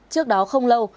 trước đó không lâu